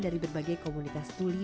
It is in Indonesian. dari berbagai komunitas tuli